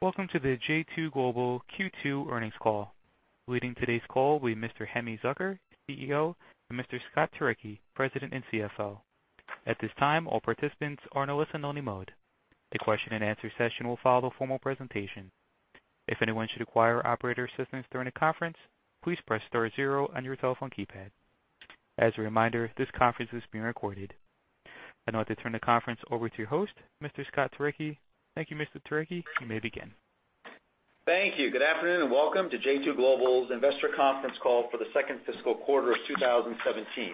Welcome to the J2 Global Q2 earnings call. Leading today's call will be Mr. Hemi Zucker, CEO, and Mr. Scott Turicchi, President and CFO. At this time, all participants are in a listen-only mode. The question and answer session will follow formal presentation. If anyone should require operator assistance during the conference, please press star zero on your telephone keypad. As a reminder, this conference is being recorded. I'd now like to turn the conference over to your host, Mr. Scott Turicchi. Thank you, Mr. Turicchi, you may begin. Thank you. Good afternoon, and welcome to J2 Global's investor conference call for the second fiscal quarter of 2017.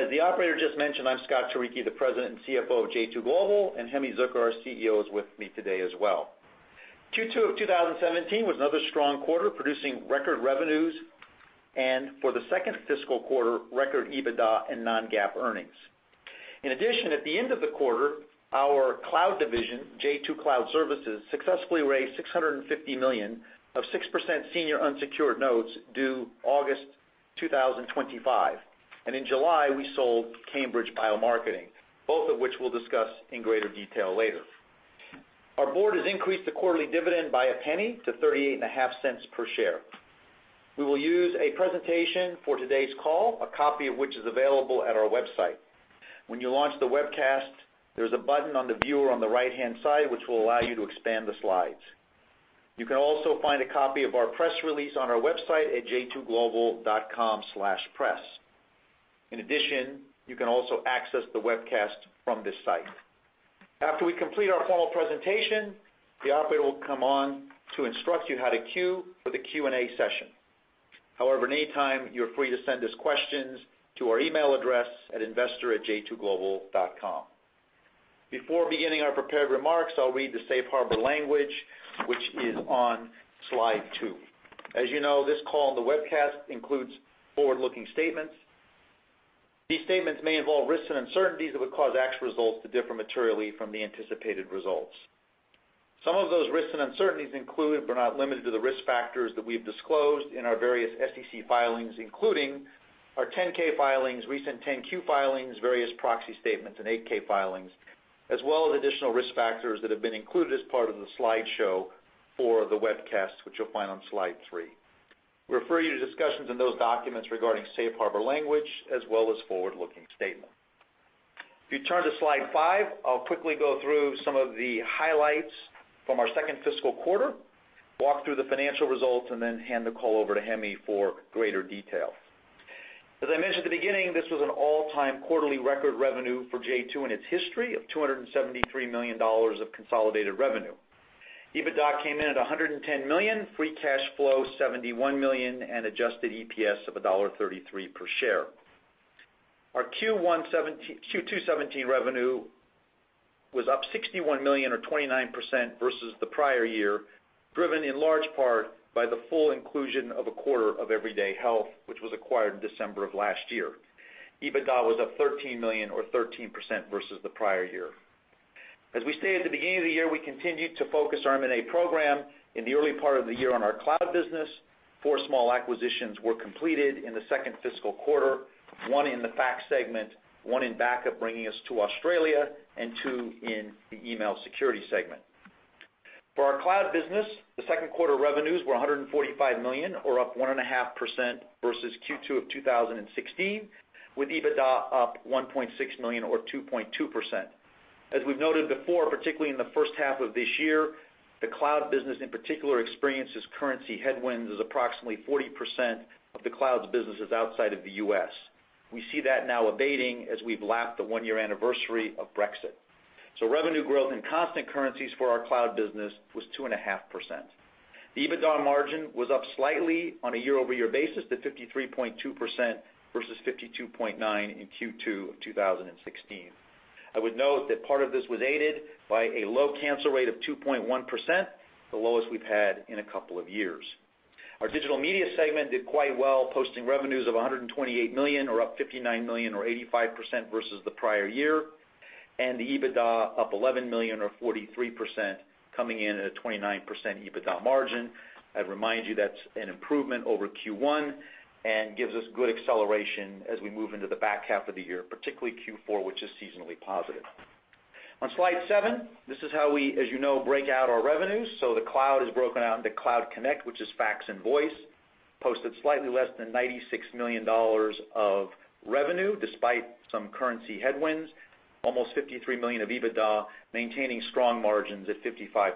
As the operator just mentioned, I'm Scott Turicchi, the President and CFO of J2 Global, and Hemi Zucker, our CEO, is with me today as well. Q2 of 2017 was another strong quarter, producing record revenues, and for the second fiscal quarter, record EBITDA and non-GAAP earnings. In addition, at the end of the quarter, our cloud division, J2 Cloud Services, successfully raised $650 million of 6% senior unsecured notes due August 2025. In July, we sold Cambridge BioMarketing, both of which we'll discuss in greater detail later. Our board has increased the quarterly dividend by a penny to $0.385 per share. We will use a presentation for today's call, a copy of which is available at our website. When you launch the webcast, there's a button on the viewer on the right-hand side, which will allow you to expand the slides. You can also find a copy of our press release on our website at j2global.com/press. In addition, you can also access the webcast from this site. After we complete our formal presentation, the operator will come on to instruct you how to queue for the Q&A session. However, any time, you're free to send us questions to our email address at investor@j2global.com. Before beginning our prepared remarks, I'll read the safe harbor language, which is on slide two. As you know, this call and the webcast includes forward-looking statements. These statements may involve risks and uncertainties that would cause actual results to differ materially from the anticipated results. Some of those risks and uncertainties include, but are not limited to, the risk factors that we've disclosed in our various SEC filings, including our 10-K filings, recent 10-Q filings, various proxy statements, and 8-K filings, as well as additional risk factors that have been included as part of the slideshow for the webcast, which you'll find on slide three. We refer you to discussions in those documents regarding safe harbor language, as well as forward-looking statement. If you turn to slide five, I'll quickly go through some of the highlights from our second fiscal quarter, walk through the financial results, and then hand the call over to Hemi for greater detail. As I mentioned at the beginning, this was an all-time quarterly record revenue for J2 in its history of $273 million of consolidated revenue. EBITDA came in at $110 million, free cash flow $71 million, and adjusted EPS of $1.33 per share. Our Q2 2017 revenue was up $61 million or 29% versus the prior year, driven in large part by the full inclusion of a quarter of Everyday Health, which was acquired in December of last year. EBITDA was up $13 million or 13% versus the prior year. As we stated at the beginning of the year, we continued to focus our M&A program in the early part of the year on our cloud business. Four small acquisitions were completed in the second fiscal quarter, one in the fax segment, one in backup, bringing us to Australia, and two in the email security segment. For our cloud business, the second quarter revenues were $145 million or up 1.5% versus Q2 of 2016, with EBITDA up $1.6 million or 2.2%. As we've noted before, particularly in the first half of this year, the cloud business, in particular, experiences currency headwinds as approximately 40% of the cloud's business is outside of the U.S. We see that now abating as we've lapped the one-year anniversary of Brexit. Revenue growth in constant currencies for our cloud business was 2.5%. The EBITDA margin was up slightly on a year-over-year basis to 53.2% versus 52.9% in Q2 of 2016. I would note that part of this was aided by a low cancel rate of 2.1%, the lowest we've had in a couple of years. Our digital media segment did quite well, posting revenues of $128 million, or up $59 million, or 85% versus the prior year, and the EBITDA up $11 million or 43%, coming in at a 29% EBITDA margin. I'd remind you that's an improvement over Q1 and gives us good acceleration as we move into the back half of the year, particularly Q4, which is seasonally positive. On slide seven, this is how we, as you know, break out our revenues. The cloud is broken out into Cloud Connect, which is fax and voice. Posted slightly less than $96 million of revenue despite some currency headwinds. Almost $53 million of EBITDA, maintaining strong margins at 55+%.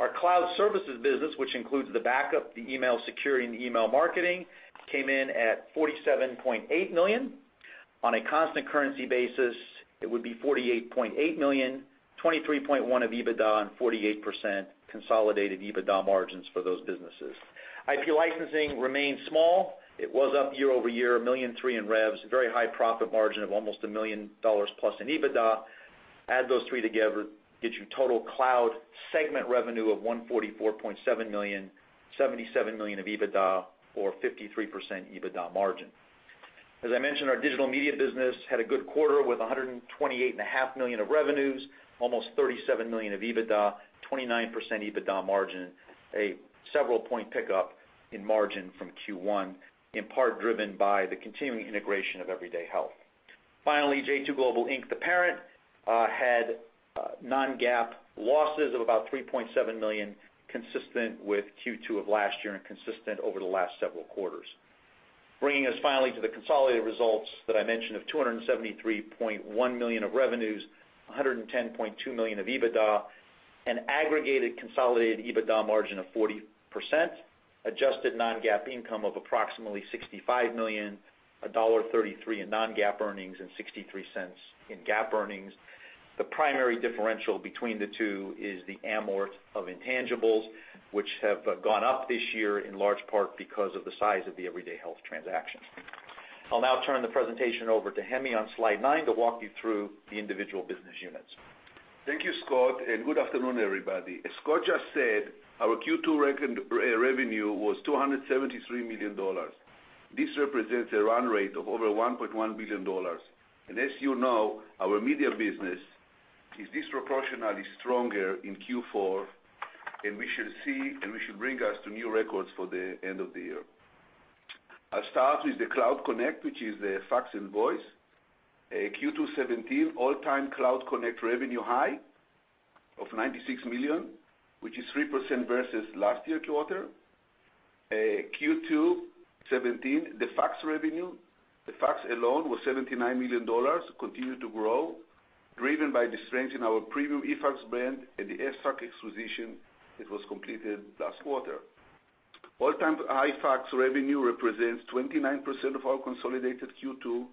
Our cloud services business, which includes the backup, the email security, and the email marketing, came in at $47.8 million. On a constant currency basis, it would be $48.8 million, $23.1 of EBITDA, and 48% consolidated EBITDA margins for those businesses. IP licensing remains small. It was up year-over-year, $1.3 million in revs. Very high profit margin of almost $1 million plus in EBITDA. Add those three together, gets you total cloud segment revenue of $144.7 million, $77 million of EBITDA, or 53% EBITDA margin. As I mentioned, our digital media business had a good quarter with $128.5 million of revenues. Almost $37 million of EBITDA, 29% EBITDA margin, a several point pickup in margin from Q1, in part driven by the continuing integration of Everyday Health. Finally, J2 Global Inc., the parent, had non-GAAP losses of about $3.7 million, consistent with Q2 of last year and consistent over the last several quarters. Bringing us finally to the consolidated results that I mentioned of $273.1 million of revenues, $110.2 million of EBITDA, an aggregated consolidated EBITDA margin of 40%, adjusted non-GAAP income of approximately $65 million, $1.33 in non-GAAP earnings, and $0.63 in GAAP earnings. The primary differential between the two is the amort of intangibles, which have gone up this year in large part because of the size of the Everyday Health transaction. I'll now turn the presentation over to Hemi on slide nine to walk you through the individual business units. Thank you, Scott. Good afternoon, everybody. As Scott just said, our Q2 revenue was $273 million. This represents a run rate of over $1.1 billion. As you know, our media business is disproportionately stronger in Q4, and we should see, and we should bring us to new records for the end of the year. I'll start with the Cloud Connect, which is the fax and voice. Q2 2017, all-time Cloud Connect revenue high of $96 million, which is 3% versus last year quarter. Q2 2017, the fax revenue. The fax alone was $79 million, continued to grow, driven by the strength in our premium eFax brand and the eFax acquisition that was completed last quarter. All-time high fax revenue represents 29% of our consolidated Q2.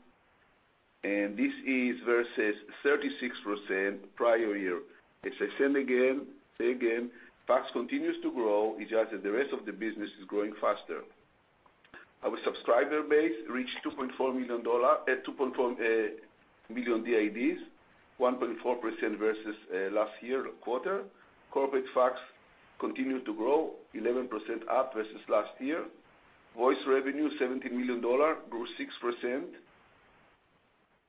This is versus 36% prior year. As I say again, fax continues to grow. It's just that the rest of the business is growing faster. Our subscriber base reached 2.4 million DIDs, 1.4% versus last year quarter. Corporate fax continued to grow, 11% up versus last year. Voice revenue, $70 million, grew 6%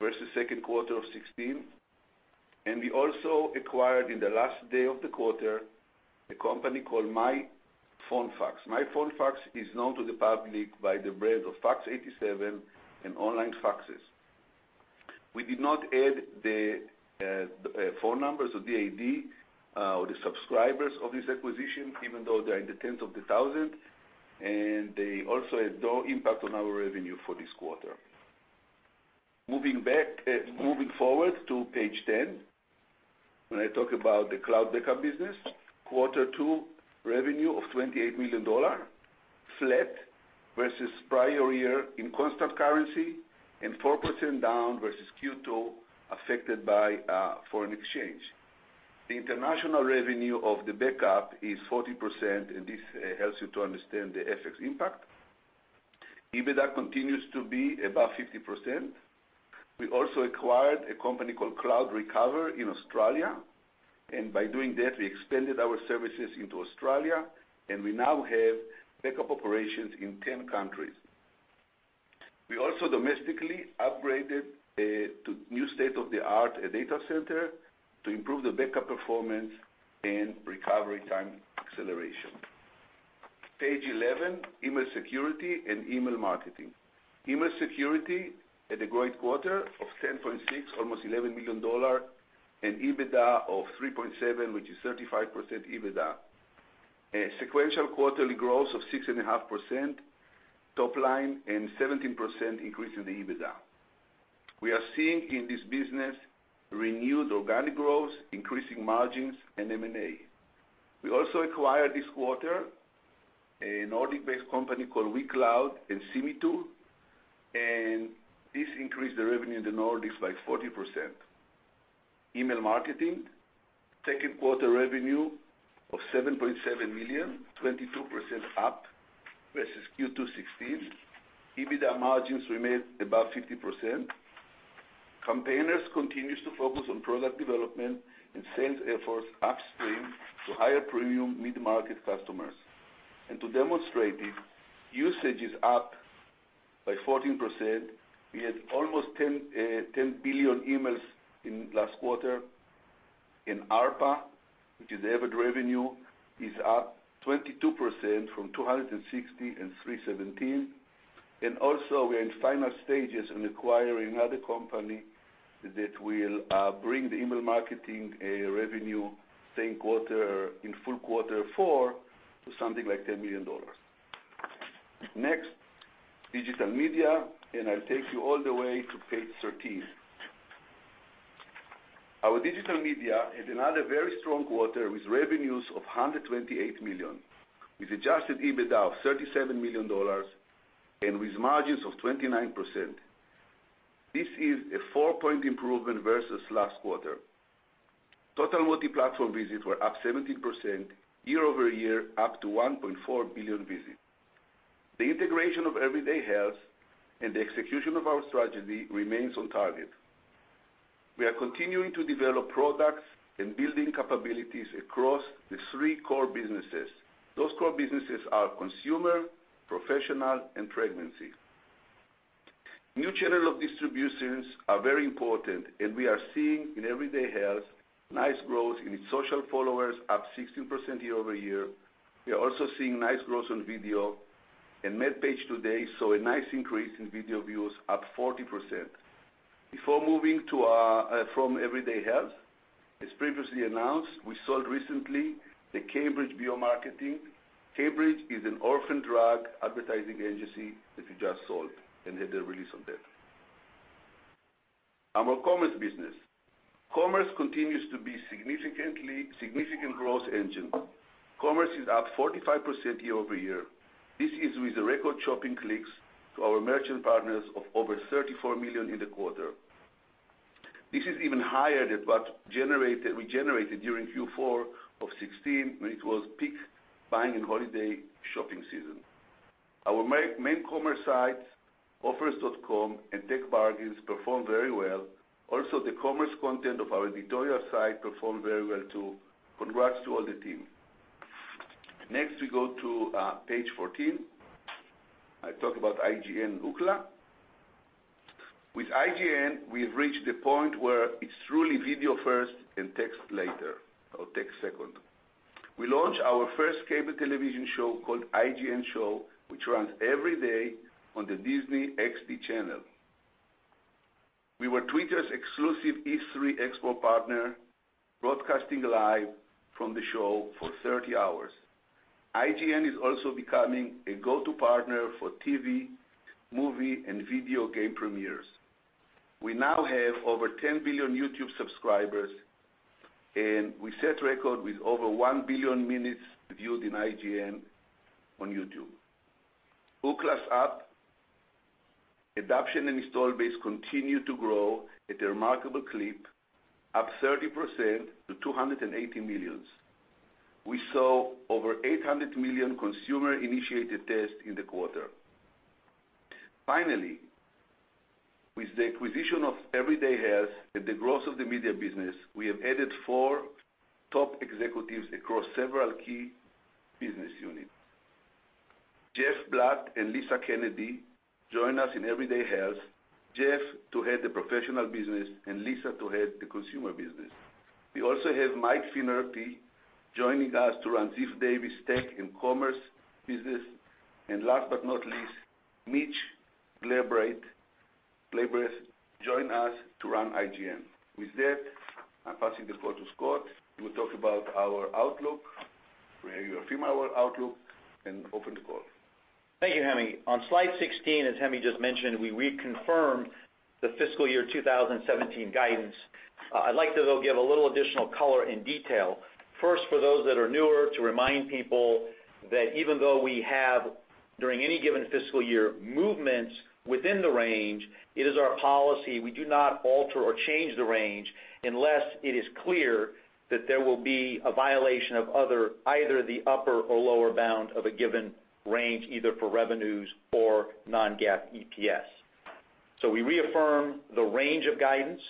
versus second quarter of 2016. We also acquired, in the last day of the quarter, a company called MyPhoneFax. MyPhoneFax is known to the public by the brand of Fax87 and OnlineFaxes. We did not add the phone numbers or DID, or the subscribers of this acquisition, even though they are in the tens of thousands, and they also had no impact on our revenue for this quarter. Moving forward to page 10, when I talk about the Cloud Backup business. Quarter two revenue of $28 million, flat versus prior year in constant currency, and 4% down versus Q2, affected by foreign exchange. The international revenue of the backup is 40%. This helps you to understand the FX impact. EBITDA continues to be above 50%. We also acquired a company called CloudRecover in Australia, and by doing that, we expanded our services into Australia, and we now have backup operations in 10 countries. We also domestically upgraded to new state-of-the-art data center to improve the backup performance and recovery time acceleration. Page 11, email security and email marketing. Email security had a great quarter of $10.6 million, almost $11 million, and EBITDA of $3.7 million, which is 35% EBITDA. A sequential quarterly growth of 6.5% top line. 17% increase in the EBITDA. We are seeing in this business renewed organic growth, increasing margins, and M&A. We also acquired this quarter a Nordic-based company called WeCloud and Simitu. This increased the revenue in the Nordics by 40%. Email marketing, second quarter revenue of $7.7 million, 22% up versus Q2 2016. EBITDA margins remained above 50%. Campaigner continues to focus on product development and sales efforts upstream to higher premium mid-market customers. To demonstrate it, usage is up by 14%. We had almost 10 billion emails in last quarter. ARPA, which is average revenue, is up 22% from $260 in $317. Also, we are in final stages in acquiring another company that will bring the email marketing revenue same quarter, in full quarter four, to something like $10 million. Next, Digital Media, and I'll take you all the way to page 13. Our Digital Media had another very strong quarter with revenues of $128 million, with adjusted EBITDA of $37 million and with margins of 29%. This is a four-point improvement versus last quarter. Total multi-platform visits were up 17% year-over-year, up to 1.4 billion visits. The integration of Everyday Health and the execution of our strategy remains on target. We are continuing to develop products and building capabilities across the three core businesses. Those core businesses are consumer, professional, and pregnancy. New channels of distributions are very important, and we are seeing in Everyday Health, nice growth in its social followers, up 16% year-over-year. We are also seeing nice growth on video, and MedPage Today saw a nice increase in video views, up 40%. Before moving from Everyday Health, as previously announced, we sold recently the Cambridge BioMarketing. Cambridge is an orphan drug advertising agency that we just sold and had the release of that. Our commerce business. Commerce continues to be significant growth engine. Commerce is up 45% year-over-year. This is with the record shopping clicks to our merchant partners of over $34 million in the quarter. This is even higher than what we generated during Q4 of 2016, when it was peak buying and holiday shopping season. Our main commerce sites, Offers.com and TechBargains, performed very well. Also, the commerce content of our editorial site performed very well, too. Congrats to all the team. Next, we go to page 14. I talk about IGN, Ookla. With IGN, we've reached the point where it's truly video first and text later or text second. We launched our first cable television show called "IGN Show," which runs every day on the Disney XD channel. We were Twitter's exclusive E3 Expo partner, broadcasting live from the show for 30 hours. IGN is also becoming a go-to partner for TV, movie, and video game premieres. We now have over 10 billion YouTube subscribers, and we set record with over 1 billion minutes viewed in IGN on YouTube. Ookla's app adoption and install base continue to grow at a remarkable clip, up 30% to 280 million. We saw over 800 million consumer-initiated tests in the quarter. Finally, with the acquisition of Everyday Health and the growth of the media business, we have added four top executives across several key business units. Jeff Blatt and Lisa Kennedy join us in Everyday Health, Jeff to head the professional business and Lisa to head the consumer business. We also have Mike Finnerty joining us to run Ziff Davis Tech and Commerce business. Last but not least, Mitch Galbraith joined us to run IGN. With that, I'm passing the call to Scott, who will talk about our outlook, reaffirm our outlook, and open the call. Thank you, Hemi. On slide 16, as Hemi just mentioned, we reconfirm the fiscal year 2017 guidance. I'd like to, though, give a little additional color and detail. First, for those that are newer, to remind people that even though we have, during any given fiscal year, movements within the range, it is our policy, we do not alter or change the range unless it is clear that there will be a violation of either the upper or lower bound of a given range, either for revenues or non-GAAP EPS. We reaffirm the range of guidance.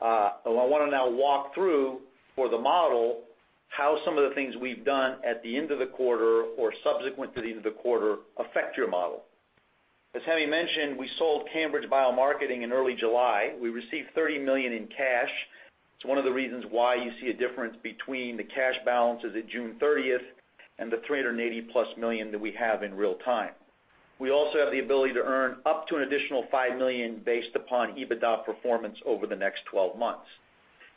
I want to now walk through for the model how some of the things we've done at the end of the quarter or subsequent to the end of the quarter affect your model. As Hemi mentioned, we sold Cambridge BioMarketing in early July. We received $30 million in cash. It's one of the reasons why you see a difference between the cash balances at June 30th and the $380-plus million that we have in real time. We also have the ability to earn up to an additional $5 million based upon EBITDA performance over the next 12 months.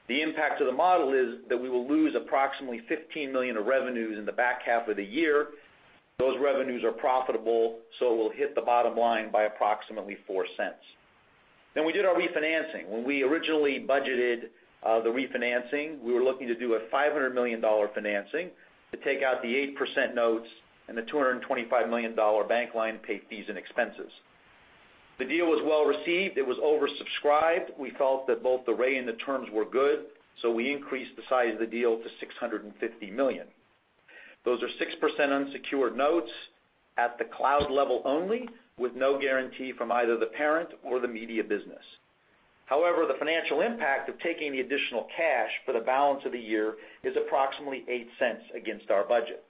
The impact to the model is that we will lose approximately $15 million of revenues in the back half of the year. Those revenues are profitable, so we'll hit the bottom line by approximately $0.04. We did our refinancing. When we originally budgeted the refinancing, we were looking to do a $500 million financing to take out the 8% notes and the $225 million bank line to pay fees and expenses. The deal was well-received. It was oversubscribed. We felt that both the rate and the terms were good, so we increased the size of the deal to $650 million. Those are 6% unsecured notes at the cloud level only, with no guarantee from either the parent or the media business. However, the financial impact of taking the additional cash for the balance of the year is approximately $0.08 against our budget.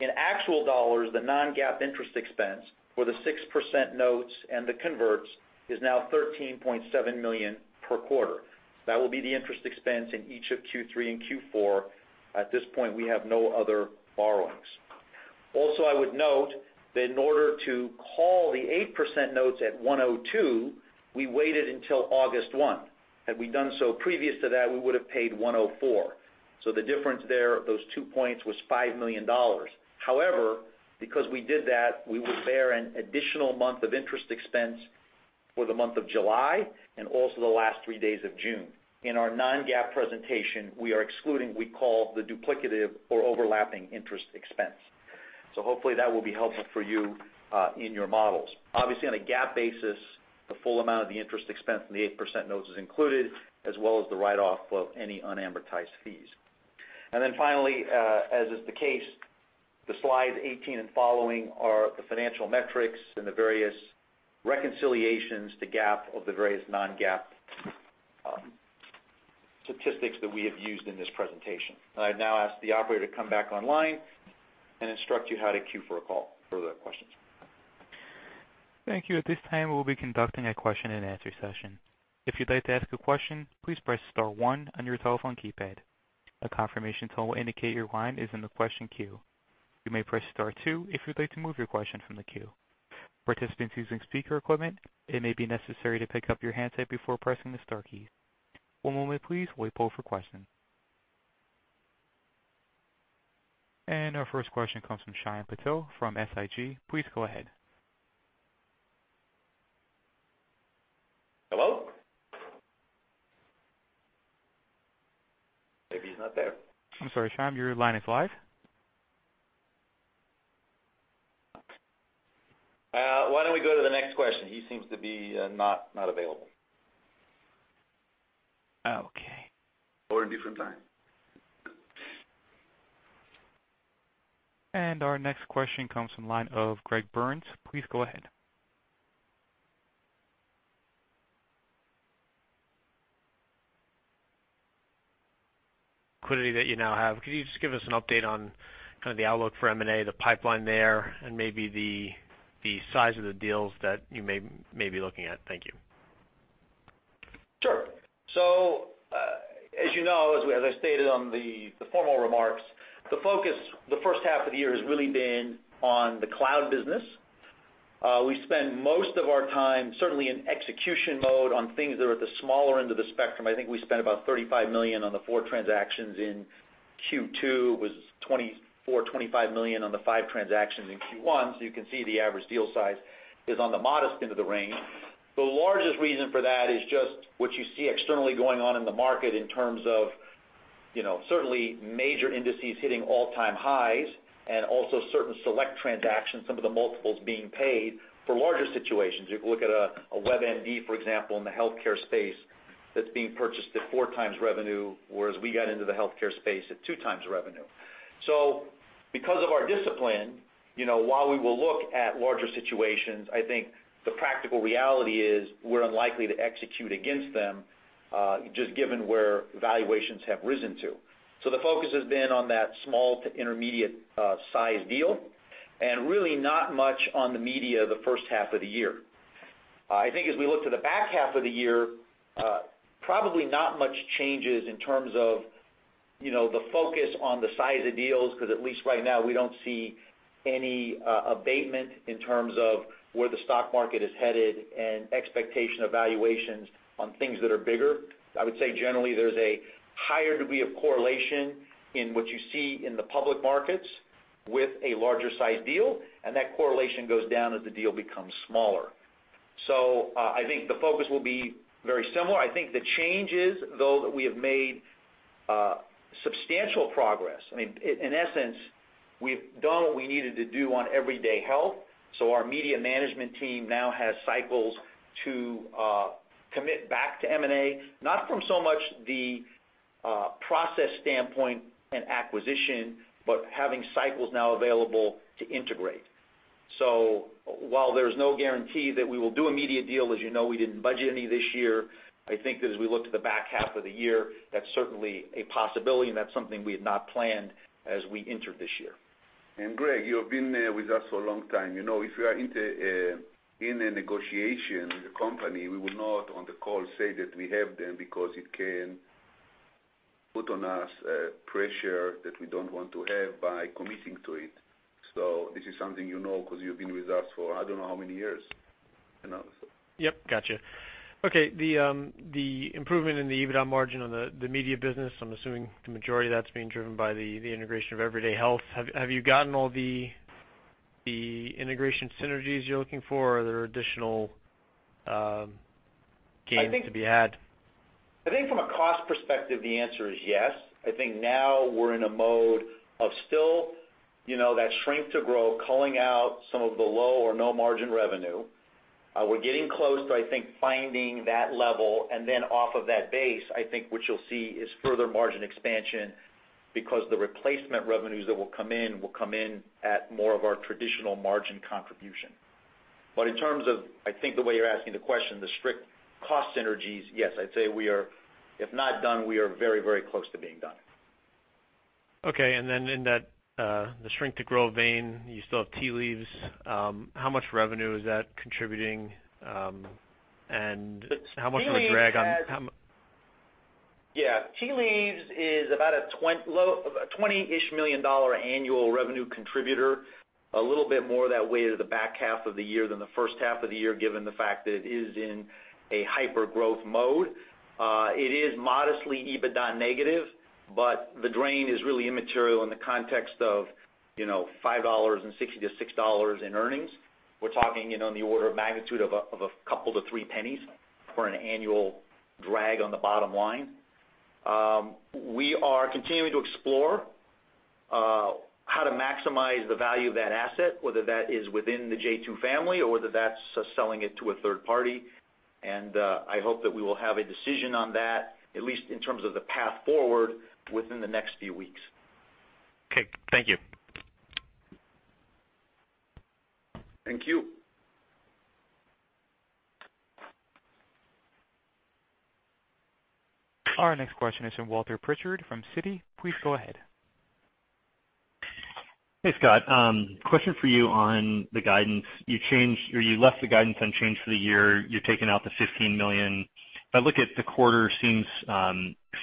In actual dollars, the non-GAAP interest expense for the 6% notes and the converts is now $13.7 million per quarter. That will be the interest expense in each of Q3 and Q4. At this point, we have no other borrowings. Also, I would note that in order to call the 8% notes at 102, we waited until August 1. Had we done so previous to that, we would have paid 104. The difference there of those two points was $5 million. However, because we did that, we would bear an additional month of interest expense for the month of July and also the last three days of June. In our non-GAAP presentation, we are excluding what we call the duplicative or overlapping interest expense. Hopefully, that will be helpful for you in your models. Obviously, on a GAAP basis, the full amount of the interest expense and the 8% notes is included, as well as the write-off of any unamortized fees. Finally, as is the case, the slides 18 and following are the financial metrics and the various reconciliations to GAAP of the various non-GAAP measures statistics that we have used in this presentation. I'd now ask the operator to come back online and instruct you how to queue for a call for further questions. Thank you. At this time, we'll be conducting a question and answer session. If you'd like to ask a question, please press star one on your telephone keypad. A confirmation tone will indicate your line is in the question queue. You may press star two if you'd like to move your question from the queue. Participants using speaker equipment, it may be necessary to pick up your handset before pressing the star key. One moment please while we pull for question. Our first question comes from Shyam Patil from SIG. Please go ahead. Hello? Maybe he's not there. I'm sorry, Shyam, your line is live. Why don't we go to the next question? He seems to be not available. Okay. A different line. Our next question comes from the line of Greg Burns. Please go ahead. liquidity that you now have, could you just give us an update on the outlook for M&A, the pipeline there, and maybe the size of the deals that you may be looking at? Thank you. Sure. As you know, as I stated on the formal remarks, the focus the first half of the year has really been on the cloud business. We spend most of our time, certainly in execution mode on things that are at the smaller end of the spectrum. I think I spent about $35 million on the four transactions in Q2. It was $24 million, $25 million on the five transactions in Q1, so you can see the average deal size is on the modest end of the range. The largest reason for that is just what you see externally going on in the market in terms of certainly major indices hitting all-time highs and also certain select transactions, some of the multiples being paid for larger situations. You can look at a WebMD, for example, in the healthcare space that's being purchased at 4x revenue, whereas we got into the healthcare space at 2x revenue. Because of our discipline, while we will look at larger situations, I think the practical reality is we're unlikely to execute against them, just given where valuations have risen to. The focus has been on that small to intermediate size deal and really not much on the media the first half of the year. I think as we look to the back half of the year, probably not much changes in terms of the focus on the size of deals, because at least right now, we don't see any abatement in terms of where the stock market is headed and expectation of valuations on things that are bigger. I would say generally there's a higher degree of correlation in what you see in the public markets with a larger size deal, and that correlation goes down as the deal becomes smaller. I think the focus will be very similar. I think the change is, though, that we have made substantial progress. In essence, we've done what we needed to do on Everyday Health, so our media management team now has cycles to commit back to M&A, not from so much the process standpoint and acquisition, but having cycles now available to integrate. While there's no guarantee that we will do immediate deal, as you know, we didn't budget any this year. I think that as we look to the back half of the year, that's certainly a possibility and that's something we had not planned as we entered this year. Greg, you have been there with us for a long time. If we are in a negotiation with a company, we will not on the call say that we have them because it can put on us pressure that we don't want to have by committing to it. This is something you know because you've been with us for I don't know how many years. Yep, got you. Okay. The improvement in the EBITDA margin on the media business, I'm assuming the majority of that's being driven by the integration of Everyday Health. Have you gotten all the integration synergies you're looking for? Are there additional gains to be had? I think from a cost perspective, the answer is yes. I think now we're in a mode of still that shrink to grow, culling out some of the low or no margin revenue. We're getting close to, I think, finding that level, then off of that base, I think what you'll see is further margin expansion because the replacement revenues that will come in will come in at more of our traditional margin contribution. In terms of, I think the way you're asking the question, the strict cost synergies, yes, I'd say we are, if not done, we are very, very close to being done. Okay. Then in that the shrink to grow vein, you still have Tea Leaves. How much revenue is that contributing? And how much of a drag on- Yeah. Tea Leaves is about a $20-ish million annual revenue contributor, a little bit more of that weighted to the back half of the year than the first half of the year, given the fact that it is in a hyper-growth mode. It is modestly EBITDA negative, but the drain is really immaterial in the context of $5.60-$6 in earnings. We're talking in the order of magnitude of $0.02-$0.03 for an annual drag on the bottom line. We are continuing to explore how to maximize the value of that asset, whether that is within the J2 family or whether that's selling it to a third party. I hope that we will have a decision on that, at least in terms of the path forward within the next few weeks. Okay. Thank you. Thank you. Our next question is from Walter Pritchard from Citi. Please go ahead. Hey, Scott. Question for you on the guidance. You left the guidance unchanged for the year. You're taking out the $15 million. If I look at the quarter, seems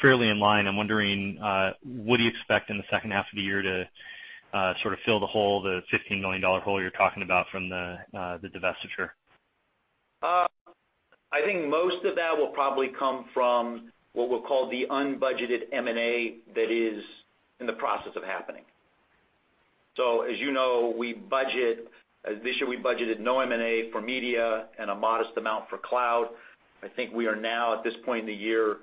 fairly in line. I'm wondering, what do you expect in the second half of the year to fill the hole, the $15 million hole you're talking about from the divestiture? I think most of that will probably come from what we'll call the unbudgeted M&A that is in the process of happening. As you know, this year we budgeted no M&A for media and a modest amount for cloud. I think we are now at this point in the year,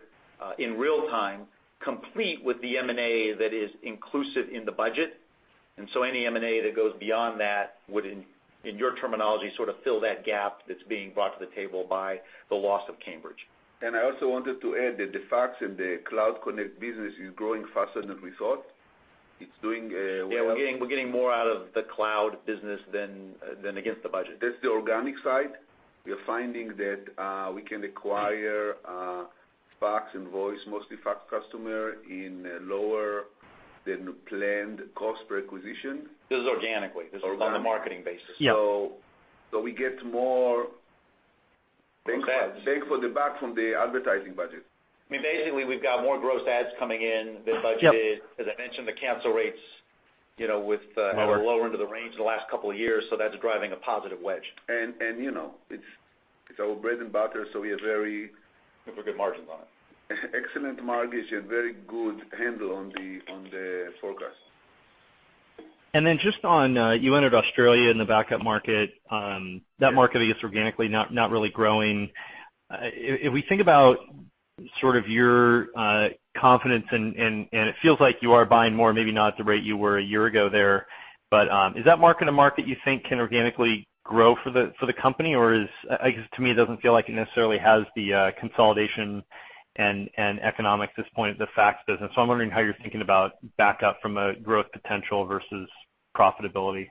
in real time, complete with the M&A that is inclusive in the budget. Any M&A that goes beyond that would, in your terminology, fill that gap that's being brought to the table by the loss of Cambridge. I also wanted to add that the fax and the Cloud Connect business is growing faster than we thought. It's doing well. Yeah, we're getting more out of the cloud business than against the budget. That's the organic side. We are finding that we can acquire fax and voice, mostly fax customer, in lower than planned cost per acquisition. This is organically. This is on the marketing basis. we get more. Gross adds. Thanks for the back from the advertising budget. Basically, we've got more gross adds coming in than budgeted. Yep. As I mentioned, the cancel rates with our lower end of the range the last couple of years, so that's driving a positive wedge. It's our bread and butter, so we have very- Super good margins on it. Excellent margins and very good handle on the forecast. Just on, you entered Australia in the backup market. That market, I guess, organically not really growing. If we think about your confidence, and it feels like you are buying more, maybe not at the rate you were a year ago there, is that market a market you think can organically grow for the company, or is I guess, to me, it doesn't feel like it necessarily has the consolidation and economics at this point of the fax business. I'm wondering how you're thinking about backup from a growth potential versus profitability.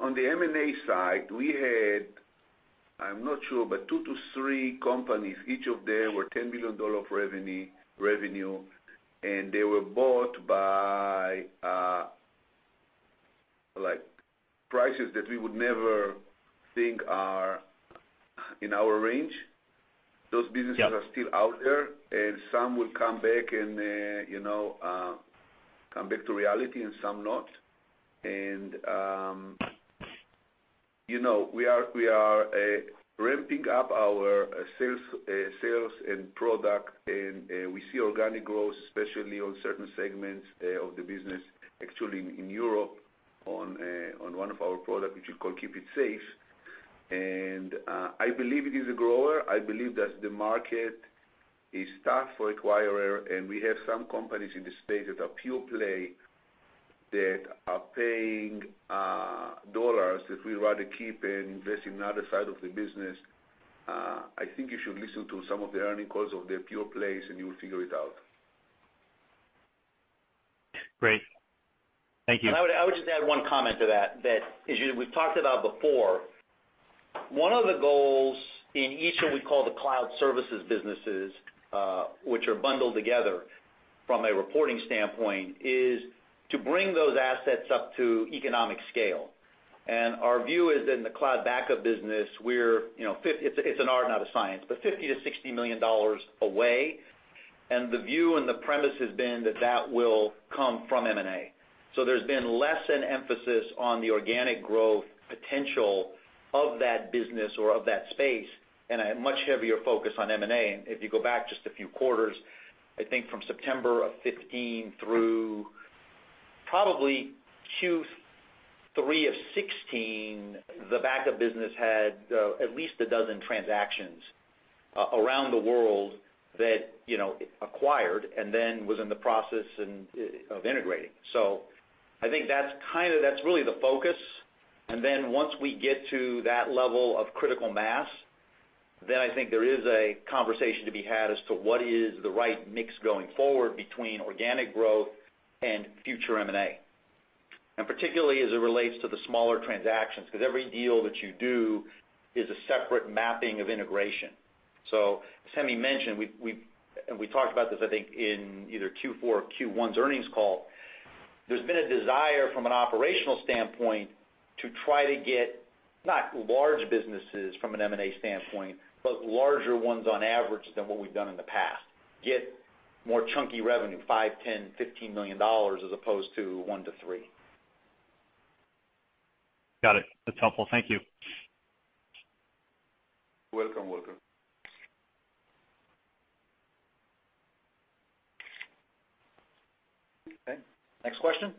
On the M&A side, we had, I'm not sure, two to three companies. Each of them were $10 billion of revenue, and they were bought by prices that we would never think are in our range. Those businesses Yeah are still out there, and some will come back to reality and some not. We are ramping up our sales and product, and we see organic growth, especially on certain segments of the business, actually in Europe on one of our product, which we call KeepItSafe. I believe it is a grower. I believe that the market is tough for acquirer, and we have some companies in the space that are pure play that are paying dollars that we'd rather keep and invest in the other side of the business. I think you should listen to some of the earning calls of the pure plays and you will figure it out. Great. Thank you. I would just add one comment to that as we've talked about before, one of the goals in each of we call the cloud services businesses, which are bundled together from a reporting standpoint, is to bring those assets up to economic scale. Our view is in the cloud backup business, it's an art, not a science, but $50 million-$60 million away, and the view and the premise has been that that will come from M&A. There's been less an emphasis on the organic growth potential of that business or of that space, and a much heavier focus on M&A. If you go back just a few quarters, I think from September of 2015 through probably Q3 of 2016, the backup business had at least a dozen transactions around the world that it acquired and then was in the process of integrating. I think that's really the focus. Once we get to that level of critical mass, I think there is a conversation to be had as to what is the right mix going forward between organic growth and future M&A, and particularly as it relates to the smaller transactions, because every deal that you do is a separate mapping of integration. As Hemi mentioned, and we talked about this, I think in either Q4 or Q1's earnings call, there's been a desire from an operational standpoint to try to get, not large businesses from an M&A standpoint, but larger ones on average than what we've done in the past. Get more chunky revenue, $5 million, $10 million, $15 million as opposed to $1 million-$3 million. Got it. That's helpful. Thank you. You're welcome, Walter. Okay. Next question?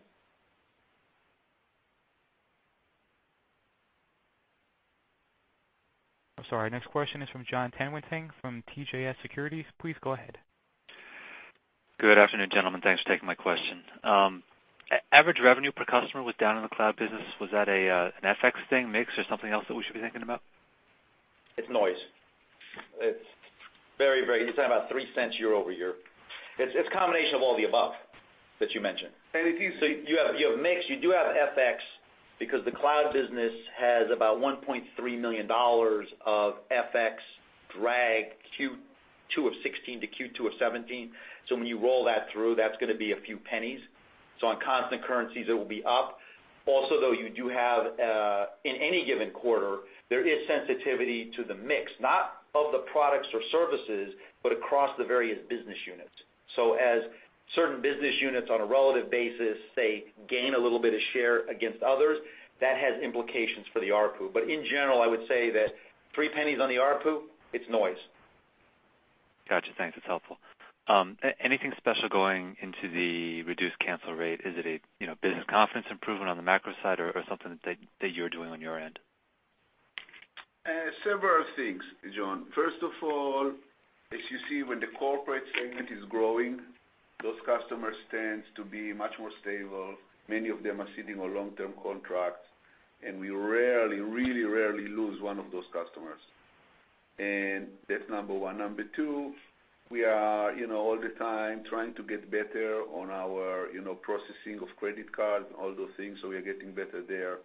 I'm sorry. Next question is from Jonathan Tanwanteng from CJS Securities. Please go ahead. Good afternoon, gentlemen. Thanks for taking my question. Average revenue per customer was down in the cloud business. Was that an FX thing, mix, or something else that we should be thinking about? It's noise. You're talking about $0.03 year-over-year. It's a combination of all the above that you mentioned. If you see. You have mix, you do have FX because the cloud business has about $1.3 million of FX drag Q2 2016 to Q2 2017. When you roll that through, that's going to be a few pennies. On constant currencies, it will be up. Also, though, you do have, in any given quarter, there is sensitivity to the mix, not of the products or services, but across the various business units. As certain business units on a relative basis, say, gain a little bit of share against others, that has implications for the ARPU. In general, I would say that $0.03 on the ARPU, it's noise. Got you. Thanks. It's helpful. Anything special going into the reduced cancel rate? Is it a business confidence improvement on the macro side or something that you're doing on your end? Several things, John. First of all, as you see, when the corporate segment is growing, those customers tend to be much more stable. Many of them are sitting on long-term contracts, we really rarely lose one of those customers. That's number 1. Number 2, we are, all the time, trying to get better on our processing of credit card, all those things. We are getting better there.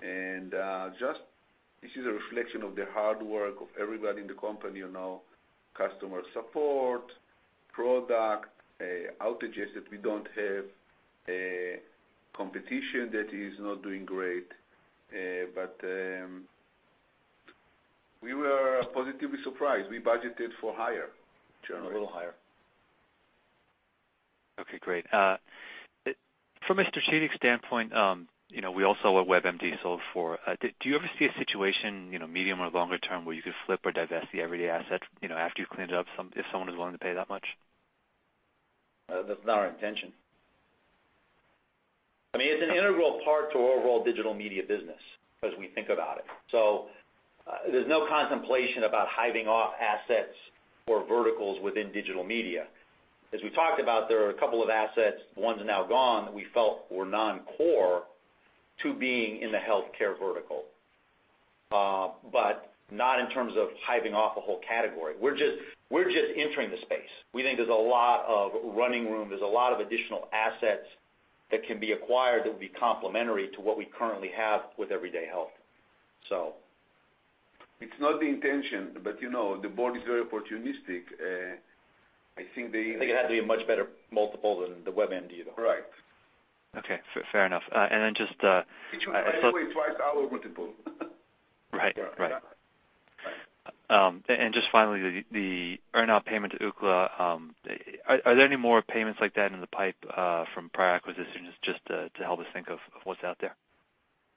This is a reflection of the hard work of everybody in the company now, customer support, product, outages that we don't have, competition that is not doing great. We were positively surprised. We budgeted for higher, John. A little higher. Okay, great. From a strategic standpoint, we all saw what WebMD sold for. Do you ever see a situation, medium or longer term, where you could flip or divest the Everyday Health assets, after you've cleaned it up, if someone is willing to pay that much? That's not our intention. It's an integral part to our overall digital media business as we think about it. There's no contemplation about hiving off assets or verticals within digital media. As we talked about, there are a couple of assets, one's now gone, that we felt were non-core to being in the healthcare vertical, but not in terms of hiving off a whole category. We're just entering the space. We think there's a lot of running room, there's a lot of additional assets that can be acquired that will be complementary to what we currently have with Everyday Health. It's not the intention, the board is very opportunistic. I think it had to be a much better multiple than the WebMD, though. Right. Okay. Fair enough. Which was, by the way, twice our multiple. Right. Yeah. Just finally, the earn-out payment to Ookla. Are there any more payments like that in the pipe from prior acquisitions, just to help us think of what's out there?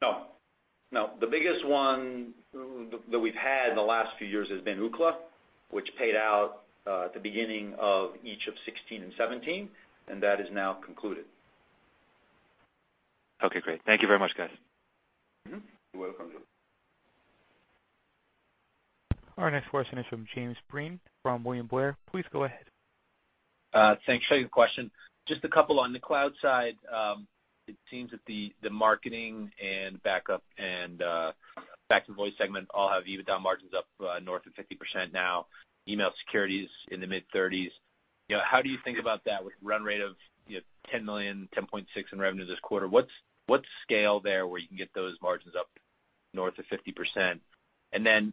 No. The biggest one that we've had in the last few years has been Ookla, which paid out at the beginning of each of 2016 and 2017, and that is now concluded. Okay, great. Thank you very much, guys. You're welcome. Our next question is from Jim Breen from William Blair. Please go ahead. Thanks for the question. Just a couple on the cloud side. It seems that the marketing and backup and fax and voice segment all have EBITDA margins up north of 50% now, email security is in the mid-30s. How do you think about that with run rate of, $10 million, $10.6 million in revenue this quarter? What scale there where you can get those margins up north of 50%? You mean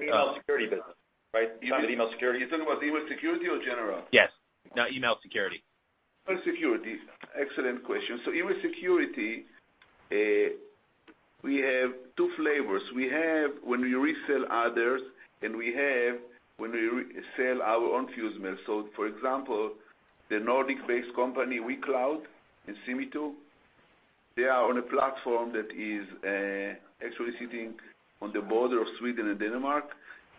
email security business, right? Email security. You're talking about email security or general? Yes. No, email security. Email security. Excellent question. Email security, we have two flavors. We have when we resell others, and we have when we sell our own FuseMail. For example, the Nordic-based company, WeCloud and Simitu, they are on a platform that is actually sitting on the border of Sweden and Denmark.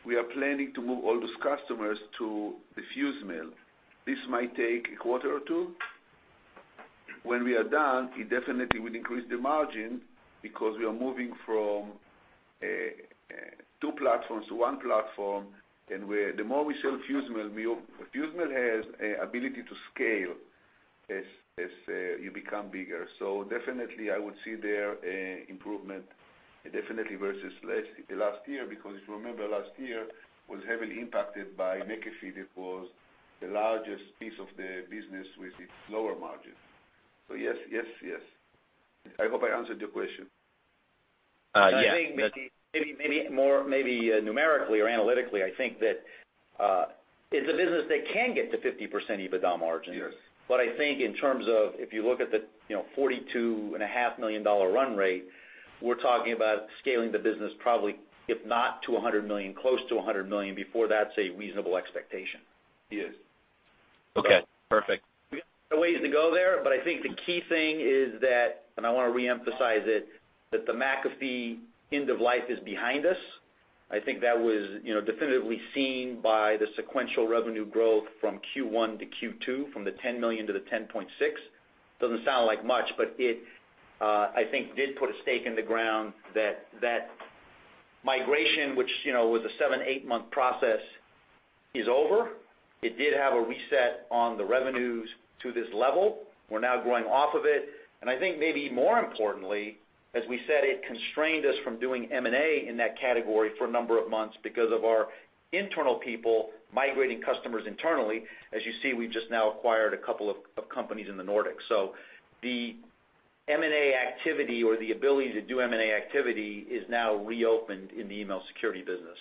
We are planning to move all those customers to the FuseMail. This might take a quarter or two. When we are done, it definitely will increase the margin because we are moving from two platforms to one platform. The more we sell FuseMail has ability to scale as you become bigger. Definitely I would see there improvement definitely versus the last year, because if you remember last year was heavily impacted by McAfee. That was the largest piece of the business with its lower margin. Yes. I hope I answered your question. Yeah. Maybe numerically or analytically, I think that it's a business that can get to 50% EBITDA margins. Yes. I think in terms of, if you look at the $42.5 million run rate, we're talking about scaling the business probably, if not to $100 million, close to $100 million before that's a reasonable expectation. Yes. Okay, perfect. We've got a ways to go there, I think the key thing is that, and I want to reemphasize it, that the McAfee end of life is behind us. I think that was definitively seen by the sequential revenue growth from Q1 to Q2, from the $10 million to the $10.6. Doesn't sound like much, it, I think, did put a stake in the ground that that migration, which was a seven, eight-month process is over. It did have a reset on the revenues to this level. We're now going off of it, and I think maybe more importantly, as we said, it constrained us from doing M&A in that category for a number of months because of our internal people migrating customers internally. As you see, we've just now acquired a couple of companies in the Nordics. The M&A activity or the ability to do M&A activity is now reopened in the email security business.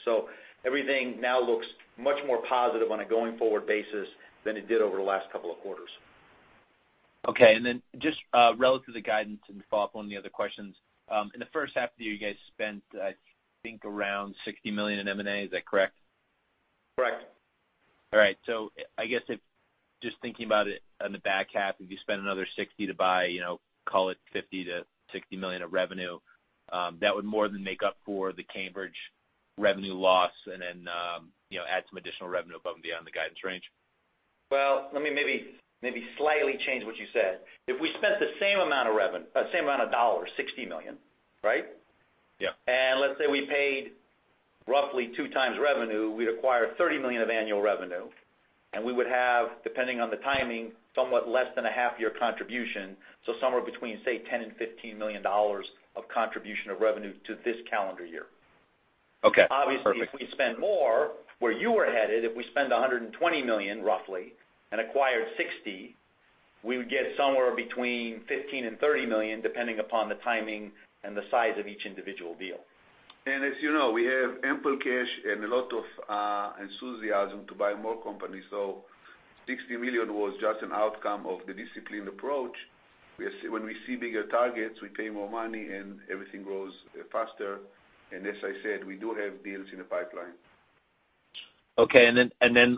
Everything now looks much more positive on a going forward basis than it did over the last couple of quarters. Okay, just relative to the guidance and to follow up on the other questions, in the first half of the year, you guys spent, I think, around $60 million in M&A. Is that correct? Correct. All right. I guess, just thinking about it on the back half, if you spend another $60 to buy, call it $50 million to $60 million of revenue, that would more than make up for the Cambridge revenue loss, add some additional revenue above and beyond the guidance range. Well, let me maybe slightly change what you said. If we spent the same amount of dollars, $60 million, right? Yeah. Let's say we paid roughly 2x revenue, we'd acquire $30 million of annual revenue, we would have, depending on the timing, somewhat less than a half-year contribution, so somewhere between, say, $10 million and $15 million of contribution of revenue to this calendar year. Okay. Perfect. If we spend more, where you were headed, if we spend $120 million roughly, and acquired $60 million, we would get somewhere between $15 million and $30 million, depending upon the timing and the size of each individual deal. As you know, we have ample cash and a lot of enthusiasm to buy more companies. $60 million was just an outcome of the disciplined approach. When we see bigger targets, we pay more money, everything grows faster. As I said, we do have deals in the pipeline.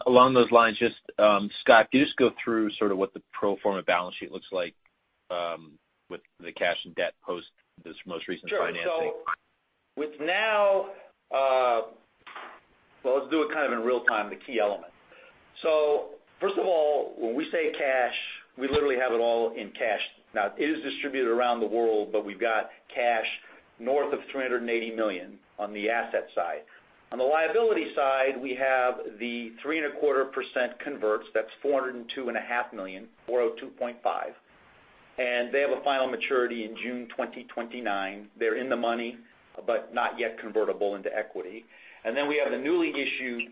Along those lines, Scott, can you just go through sort of what the pro forma balance sheet looks like with the cash and debt post this most recent financing? Sure. Let's do it kind of in real time, the key element. First of all, when we say cash, we literally have it all in cash. Now, it is distributed around the world, but we've got cash north of $380 million on the asset side. On the liability side, we have the 3.25% converts, that's $402.5 million. They have a final maturity in June 2029. They're in the money, but not yet convertible into equity. We have the newly issued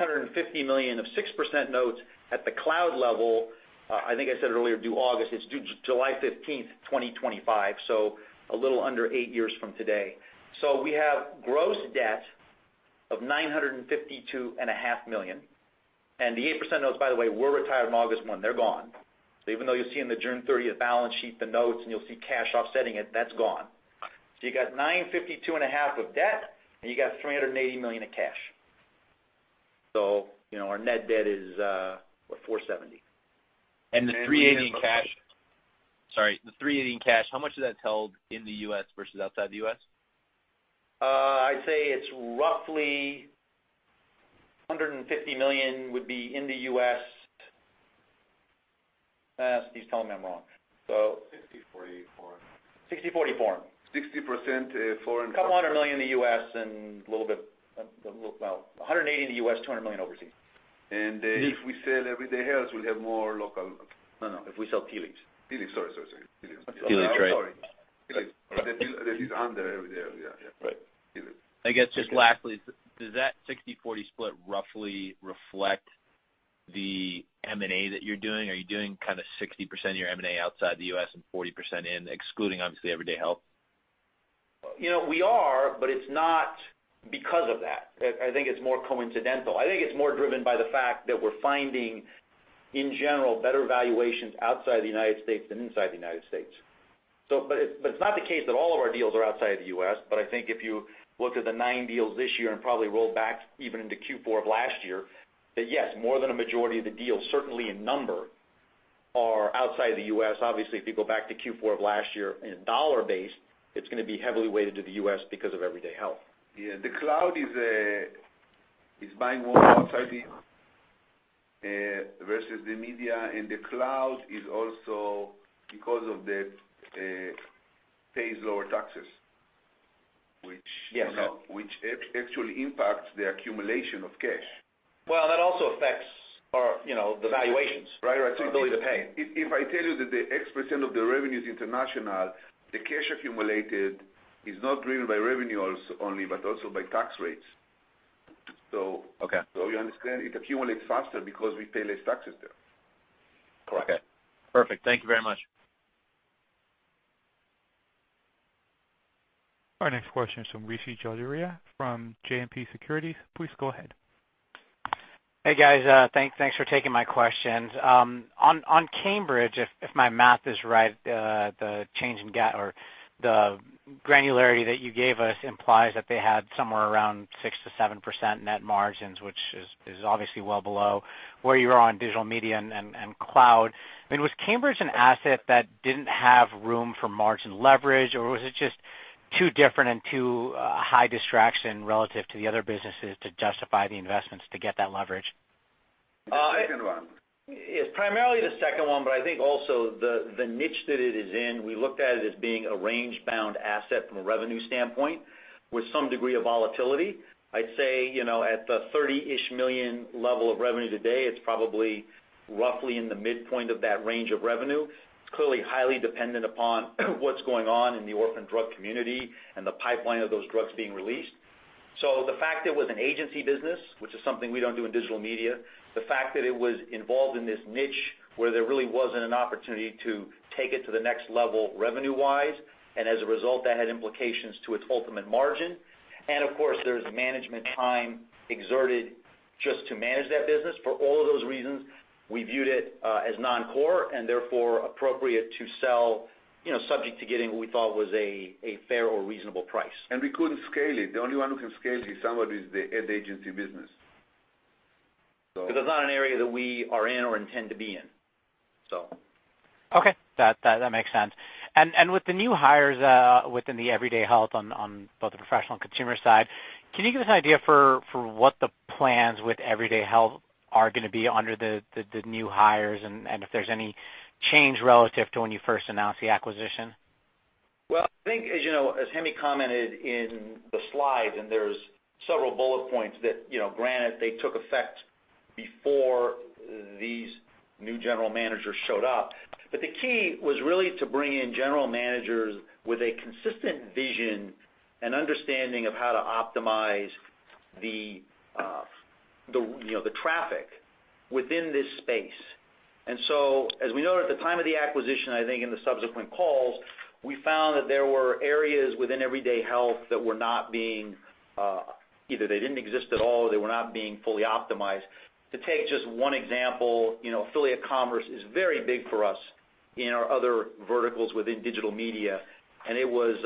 $650 million of 6% notes at the cloud level, I think I said earlier, due August. It's due July 15th, 2025, so a little under eight years from today. We have gross debt of $952.5 million. The 8% notes, by the way, were retired on August 1. They're gone. Even though you'll see in the June 30th balance sheet, the notes, and you'll see cash offsetting it, that's gone. You got $952.5 million of debt, and you got $380 million of cash. Our net debt is, what, $470 million. The $380 million in cash- And Sorry, the $380 million in cash, how much of that's held in the U.S. versus outside the U.S.? I'd say it's roughly $150 million would be in the U.S. He's telling me I'm wrong. 60/44. 60/44. 60% foreign. About $100 million in the U.S., and a little bit, about $180 million in the U.S., $200 million overseas. If we sell Everyday Health, we'll have more local. No, no. If we sell Tea Leaves. Tea Leaves. Sorry. Tea Leaves, right? Sorry. Tea Leaves. That is under Everyday Health. Yeah. Right. Tea Leaves. I guess, just lastly, does that 60/40 split roughly reflect the M&A that you're doing? Are you doing kind of 60% of your M&A outside the U.S. and 40% in, excluding, obviously, Everyday Health? We are, it's not because of that. I think it's more coincidental. I think it's more driven by the fact that we're finding, in general, better valuations outside the United States than inside the United States. It's not the case that all of our deals are outside the U.S., I think if you look at the nine deals this year and probably roll back even into Q4 of last year, that yes, more than a majority of the deals, certainly in number, are outside the U.S. Obviously, if you go back to Q4 of last year in dollar base, it's going to be heavily weighted to the U.S. because of Everyday Health. Yeah. The cloud is buying more outside versus the media, the cloud is also, because of that, pays lower taxes. Yes. Which actually impacts the accumulation of cash. Well, that also affects the valuations. Right. The ability to pay. If I tell you that the X% of the revenue's international, the cash accumulated is not driven by revenue only, but also by tax rates. Okay. You understand, it accumulates faster because we pay less taxes there. Correct. Okay. Perfect. Thank you very much. Our next question is from Rishi Jaluria from JMP Securities. Please go ahead. Hey, guys. Thanks for taking my questions. On Cambridge, if my math is right, the granularity that you gave us implies that they had somewhere around 6%-7% net margins, which is obviously well below where you are on digital media and cloud. I mean, was Cambridge an asset that didn't have room for margin leverage, or was it just too different and too high distraction relative to the other businesses to justify the investments to get that leverage? The second one. It's primarily the second one. I think also the niche that it is in, we looked at it as being a range-bound asset from a revenue standpoint with some degree of volatility. I'd say, at the $30-ish million level of revenue today, it's probably roughly in the midpoint of that range of revenue. It's clearly highly dependent upon what's going on in the orphan drug community and the pipeline of those drugs being released. The fact it was an agency business, which is something we don't do in digital media, the fact that it was involved in this niche where there really wasn't an opportunity to take it to the next level revenue-wise, and as a result, that had implications to its ultimate margin. Of course, there's management time exerted just to manage that business. For all of those reasons, we viewed it as non-core and therefore appropriate to sell, subject to getting what we thought was a fair or reasonable price. We couldn't scale it. The only one who can scale it is somebody with the ad agency business. Because that's not an area that we are in or intend to be in. That makes sense. With the new hires within the Everyday Health on both the professional and consumer side, can you give us an idea for what the plans with Everyday Health are going to be under the new hires and if there's any change relative to when you first announced the acquisition? Well, I think, as Hemi commented in the slides, there's several bullet points that, granted they took effect before these new general managers showed up. The key was really to bring in general managers with a consistent vision and understanding of how to optimize the traffic within this space. As we noted at the time of the acquisition, I think in the subsequent calls, we found that there were areas within Everyday Health that were not being either they didn't exist at all or they were not being fully optimized. To take just one example, affiliate commerce is very big for us in our other verticals within digital media, and it was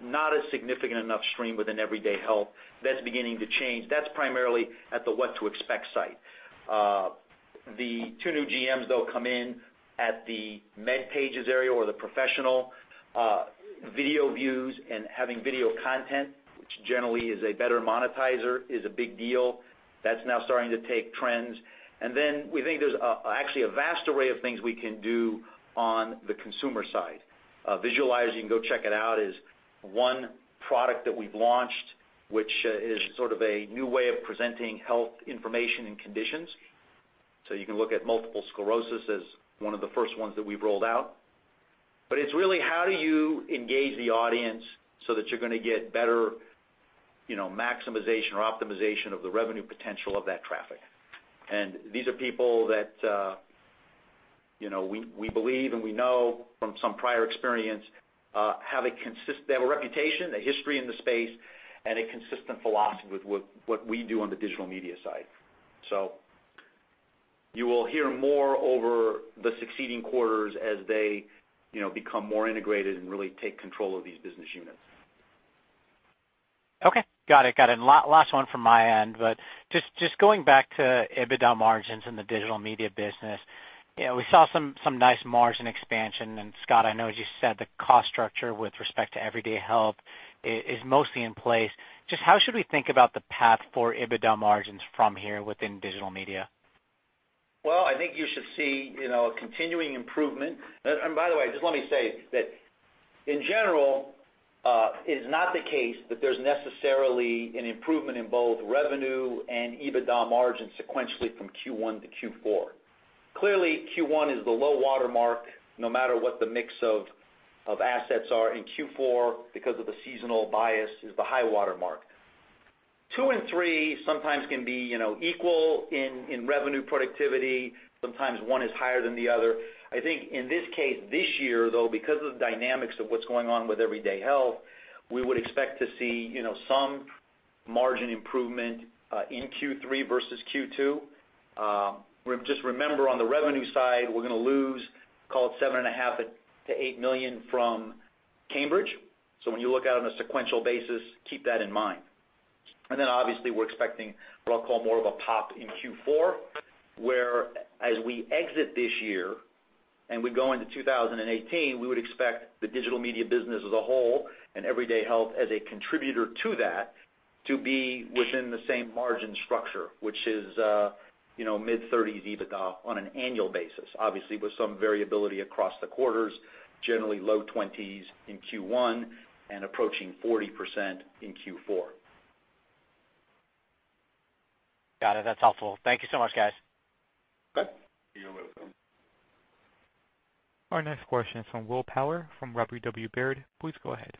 not a significant enough stream within Everyday Health. That's beginning to change. That's primarily at the What to Expect site. The two new GMs, though, come in at the MedPage area or the professional video views and having video content, which generally is a better monetizer, is a big deal. That's now starting to take trends. We think there's actually a vast array of things we can do on the consumer side. Visualizing Go Check It Out is one product that we've launched, which is sort of a new way of presenting health information and conditions. You can look at multiple sclerosis as one of the first ones that we've rolled out. It's really how do you engage the audience so that you're going to get better maximization or optimization of the revenue potential of that traffic. These are people that we believe and we know from some prior experience, they have a reputation, a history in the space, and a consistent philosophy with what we do on the digital media side. You will hear more over the succeeding quarters as they become more integrated and really take control of these business units. Okay. Got it. Last one from my end, just going back to EBITDA margins in the digital media business. We saw some nice margin expansion. Scott, I know as you said, the cost structure with respect to Everyday Health is mostly in place. Just how should we think about the path for EBITDA margins from here within digital media? Well, I think you should see a continuing improvement. By the way, just let me say that in general, it is not the case that there's necessarily an improvement in both revenue and EBITDA margin sequentially from Q1 to Q4. Clearly, Q1 is the low water mark, no matter what the mix of assets are. In Q4, because of the seasonal bias, is the high water mark. Two and three sometimes can be equal in revenue productivity. Sometimes one is higher than the other. I think in this case this year, though, because of the dynamics of what's going on with Everyday Health, we would expect to see some margin improvement in Q3 versus Q2. Just remember on the revenue side, we're going to lose, call it $7.5 million-$8 million from Cambridge BioMarketing. When you look out on a sequential basis, keep that in mind. Obviously, we're expecting what I'll call more of a pop in Q4, where as we exit this year and we go into 2018, we would expect the digital media business as a whole and Everyday Health as a contributor to that to be within the same margin structure, which is mid-30s% EBITDA on an annual basis. Obviously, with some variability across the quarters, generally low 20s% in Q1 and approaching 40% in Q4. Got it. That's helpful. Thank you so much, guys. Okay. You're welcome. Our next question is from Will Power from Robert W. Baird. Please go ahead.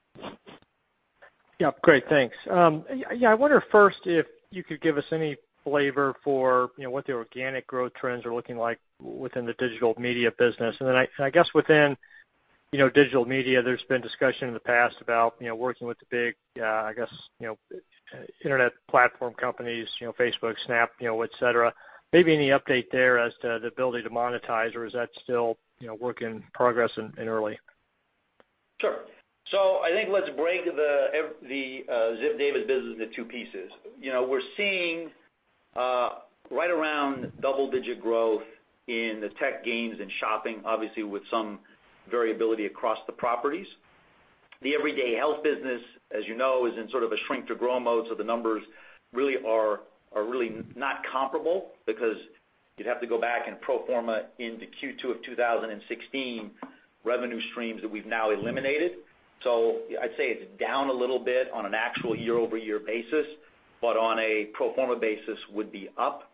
Yep. Great. Thanks. Yeah, I wonder first if you could give us any flavor for what the organic growth trends are looking like within the digital media business. Then I guess within digital media, there's been discussion in the past about working with the big, I guess, internet platform companies, Facebook, Snap, et cetera. Maybe any update there as to the ability to monetize, or is that still work in progress and early? Sure. I think let's break the Ziff Davis business into two pieces. We're seeing right around double-digit growth in the tech, gaming, and shopping, obviously with some variability across the properties. The Everyday Health business, as you know, is in sort of a shrink to grow mode, so the numbers really are not comparable because you'd have to go back and pro forma into Q2 of 2016 revenue streams that we've now eliminated. I'd say it's down a little bit on an actual year-over-year basis, but on a pro forma basis would be up.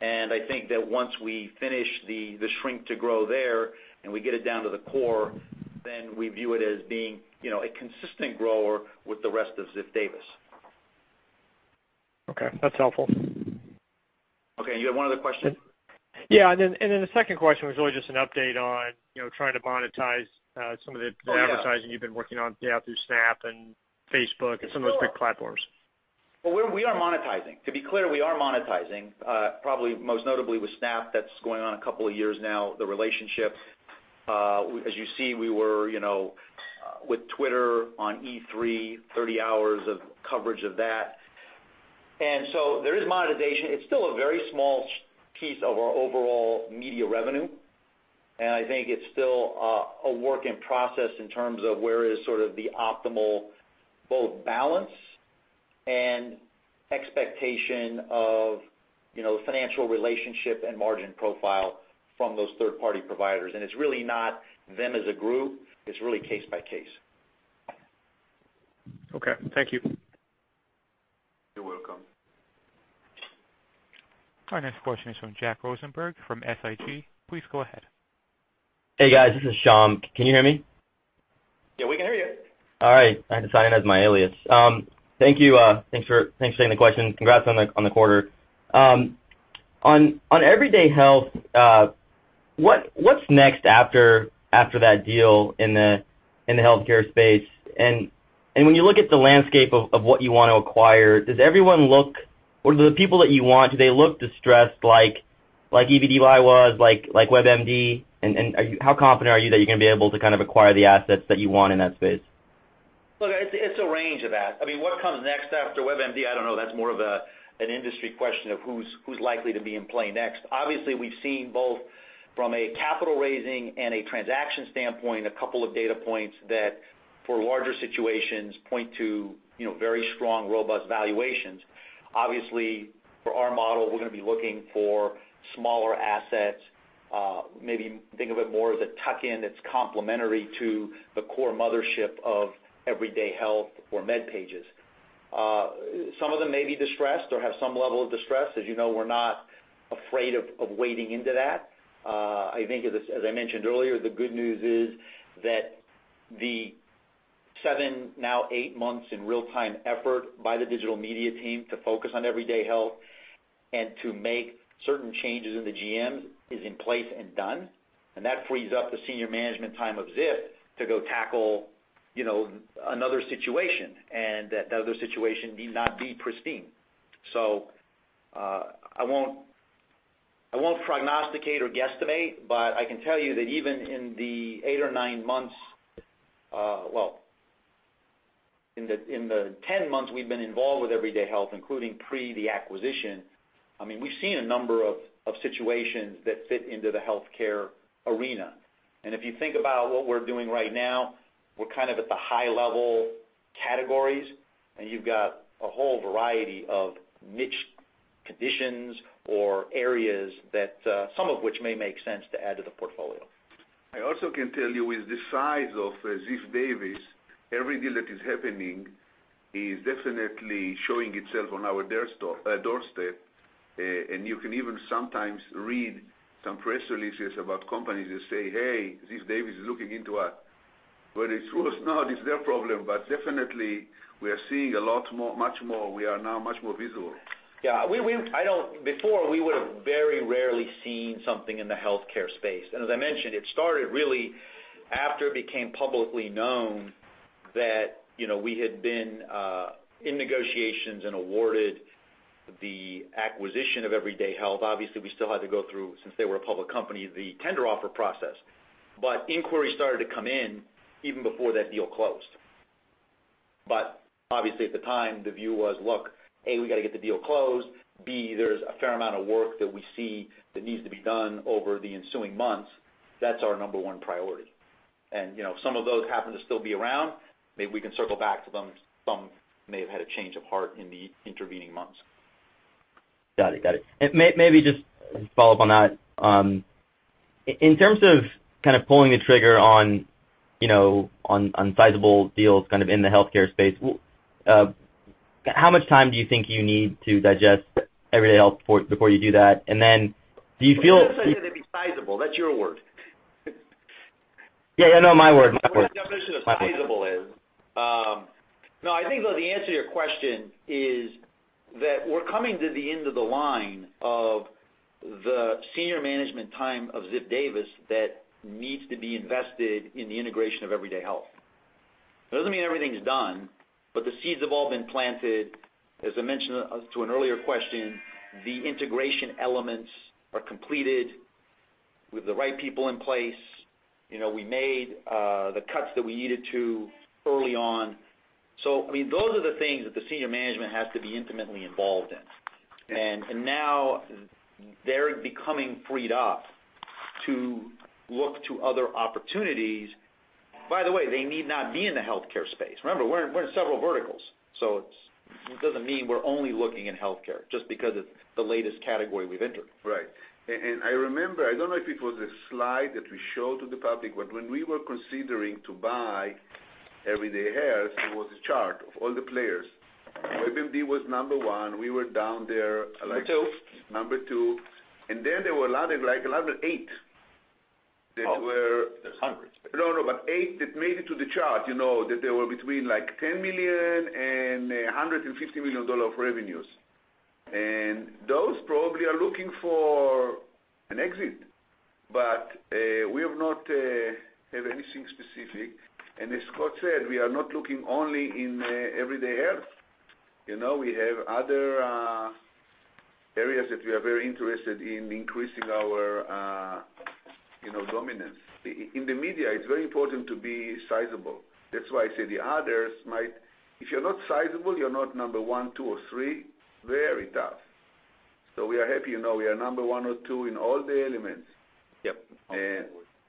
I think that once we finish the shrink to grow there, and we get it down to the core, then we view it as being a consistent grower with the rest of Ziff Davis. Okay. That's helpful. Okay. You had one other question? Yeah. The second question was really just an update on trying to monetize. Oh, yeah advertising you've been working on through Snap and Facebook and some of those big platforms. Well, we are monetizing. To be clear, we are monetizing, probably most notably with Snap. That's going on a couple of years now, the relationship. As you see, we were with Twitter on E3, 30 hours of coverage of that. There is monetization. I think it's still a very small piece of our overall media revenue, and I think it's still a work in process in terms of where is sort of the optimal both balance and expectation of the financial relationship and margin profile from those third-party providers. It's really not them as a group. It's really case by case. Okay. Thank you. You're welcome. Our next question is from Jack Rosenberg from SIG. Please go ahead. Hey, guys. This is Shyam. Can you hear me? Yeah, we can hear you. All right. I had to sign in as my alias. Thank you. Thanks for taking the question. Congrats on the quarter. On Everyday Health, what's next after that deal in the healthcare space? When you look at the landscape of what you want to acquire, or the people that you want, do they look distressed like EVDY was, like WebMD? How confident are you that you're going to be able to acquire the assets that you want in that space? Look, it's a range of that. What comes next after WebMD, I don't know. That's more of an industry question of who's likely to be in play next. Obviously, we've seen both from a capital raising and a transaction standpoint, a couple of data points that for larger situations point to very strong, robust valuations. Obviously, for our model, we're going to be looking for smaller assets. Maybe think of it more as a tuck-in that's complementary to the core mothership of Everyday Health or MedPage Today. Some of them may be distressed or have some level of distress. As you know, we're not afraid of wading into that. I think, as I mentioned earlier, the good news is that the seven, now eight months in real-time effort by the digital media team to focus on Everyday Health and to make certain changes in the GMs is in place and done, and that frees up the senior management time of Ziff to go tackle another situation, and that other situation need not be pristine. I won't prognosticate or guesstimate, but I can tell you that even in the eight or nine months, well, in the 10 months we've been involved with Everyday Health, including pre the acquisition, we've seen a number of situations that fit into the healthcare arena. If you think about what we're doing right now, we're kind of at the high-level categories, and you've got a whole variety of niche conditions or areas that some of which may make sense to add to the portfolio. I also can tell you with the size of Ziff Davis, every deal that is happening is definitely showing itself on our doorstep, and you can even sometimes read some press releases about companies that say, "Hey, Ziff Davis is looking into us." Whether it's true or it's not, it's their problem. Definitely, we are seeing a lot more, much more. We are now much more visible. Yeah. Before, we would have very rarely seen something in the healthcare space. As I mentioned, it started really after it became publicly known that we had been in negotiations and awarded the acquisition of Everyday Health. Obviously, we still had to go through, since they were a public company, the tender offer process. Inquiries started to come in even before that deal closed. Obviously at the time, the view was, look, A, we've got to get the deal closed. B, there's a fair amount of work that we see that needs to be done over the ensuing months. That's our number one priority. Some of those happen to still be around. Maybe we can circle back to them. Some may have had a change of heart in the intervening months. Got it. Got it. Maybe just to follow up on that. In terms of kind of pulling the trigger on sizable deals in the healthcare space, how much time do you think you need to digest Everyday Health before you do that? Then do you feel- I wouldn't say they'd be sizable. That's your word. Yeah, no, my word. My word. What the definition of sizable is. I think, though, the answer to your question is that we're coming to the end of the line of the senior management time of Ziff Davis that needs to be invested in the integration of Everyday Health. It doesn't mean everything's done, but the seeds have all been planted. As I mentioned to an earlier question, the integration elements are completed with the right people in place. We made the cuts that we needed to early on. Those are the things that the senior management has to be intimately involved in. Yeah. Now they're becoming freed up to look to other opportunities. By the way, they need not be in the healthcare space. Remember, we're in several verticals, so it doesn't mean we're only looking in healthcare just because it's the latest category we've entered. Right. I remember, I don't know if it was a slide that we showed to the public, but when we were considering to buy Everyday Health, there was a chart of all the players. WebMD was number one. We were down there, like- Number two number 2, and then there were another eight that were. There's hundreds. No, no, but eight that made it to the chart, that they were between $10 million and $150 million of revenues. Those probably are looking for an exit, but we have not have anything specific. As Scott said, we are not looking only in Everyday Health. We have other areas that we are very interested in increasing our dominance. In the media, it's very important to be sizable. That's why I say the others might. If you're not sizable, you're not number 1, 2, or 3, very tough. We are happy, we are number 1 or 2 in all the elements. Yep.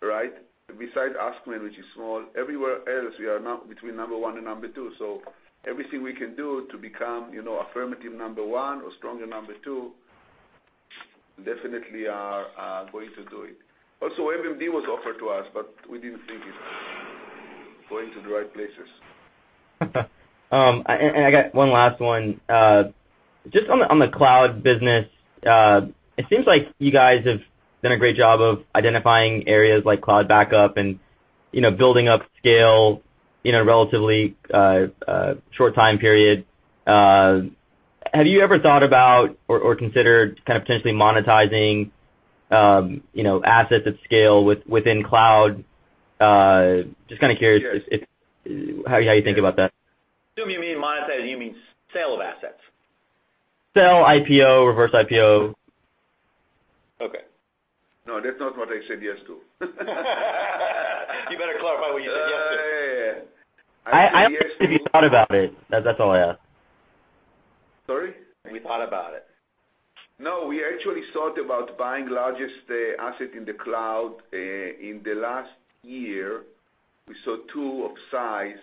Right? Besides AskMen, which is small, everywhere else, we are between number 1 and number 2. Everything we can do to become affirmative number 1 or stronger number 2, definitely are going to do it. Also, WebMD was offered to us, but we didn't think it was going to the right places. I got one last one. Just on the cloud business, it seems like you guys have done a great job of identifying areas like cloud backup and building up scale in a relatively short time period. Have you ever thought about or considered potentially monetizing assets at scale within cloud? Just curious how you think about that. Assuming you mean monetize, you mean sale of assets. Sale, IPO, reverse IPO. Okay. No, that's not what I said yes to. You better clarify what you said yes to. Yeah, yeah. I asked if you thought about it. That's all I asked. Sorry? Have we thought about it? No, we actually thought about buying largest asset in the cloud in the last year. We saw two of size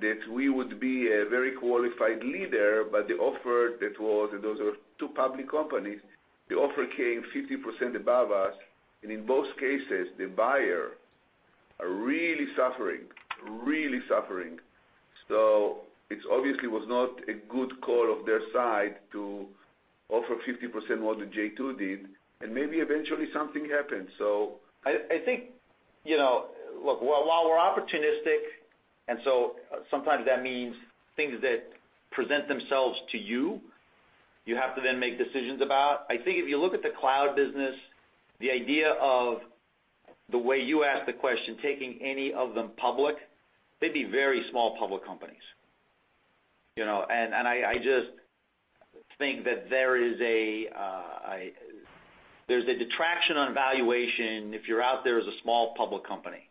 that we would be a very qualified leader, but the offer that was, those are two public companies, the offer came 50% above us, and in both cases, the buyer are really suffering. It obviously was not a good call of their side to offer 50% more than J2 did, and maybe eventually something happens. I think, while we're opportunistic, sometimes that means things that present themselves to you have to then make decisions about. I think if you look at the cloud business, the idea of the way you asked the question, taking any of them public, they'd be very small public companies. I just think that there's a detraction on valuation if you're out there as a small public company,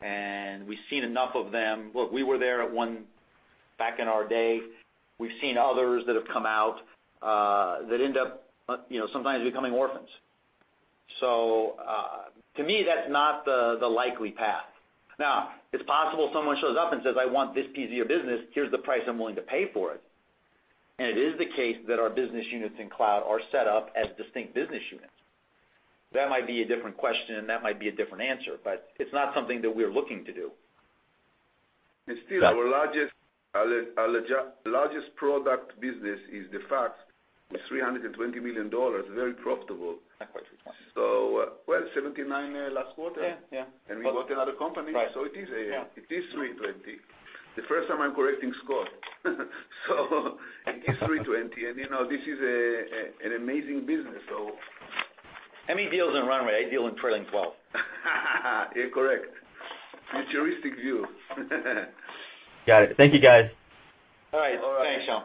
and we've seen enough of them. Look, we were there at one back in our day. We've seen others that have come out, that end up sometimes becoming orphans. To me, that's not the likely path. Now, it's possible someone shows up and says, "I want this piece of your business. Here's the price I'm willing to pay for it." It is the case that our business units in cloud are set up as distinct business units. That might be a different question, and that might be a different answer, but it's not something that we're looking to do. Still, our largest product business is the fax with $320 million, very profitable. Not quite 320. Well, 79 last quarter. Yeah. We bought another company. Right. It is- Yeah 320. The first time I am correcting Scott. It is 320, this is an amazing business. I make deals in runway. I deal in trailing 12. Incorrect. Futuristic view. Got it. Thank you, guys. All right. All right. Thanks, Shyam.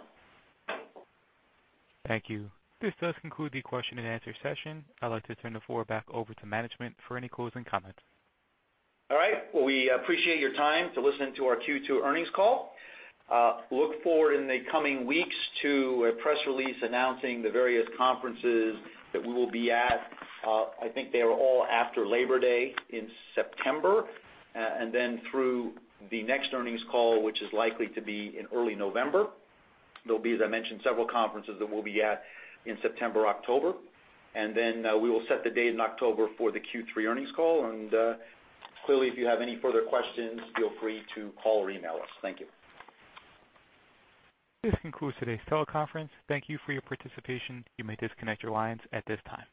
Thank you. This does conclude the question and answer session. I'd like to turn the floor back over to management for any closing comments. All right. Well, we appreciate your time to listen to our Q2 earnings call. Look forward in the coming weeks to a press release announcing the various conferences that we will be at. I think they are all after Labor Day in September. Through the next earnings call, which is likely to be in early November, there'll be, as I mentioned, several conferences that we'll be at in September, October. We will set the date in October for the Q3 earnings call. Clearly, if you have any further questions, feel free to call or email us. Thank you. This concludes today's teleconference. Thank you for your participation. You may disconnect your lines at this time.